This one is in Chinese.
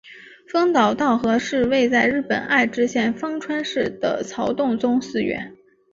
丰川稻荷是位在日本爱知县丰川市的曹洞宗寺院。